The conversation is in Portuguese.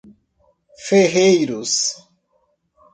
Ferreiros